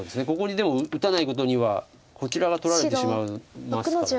ここにでも打たないことにはこちらが取られてしまいますから。